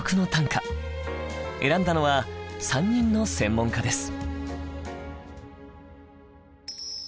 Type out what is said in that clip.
選んだのは３人の専門家です。